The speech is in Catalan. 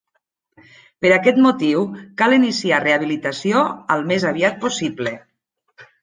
Per aquest motiu, cal iniciar rehabilitació al més aviat possible.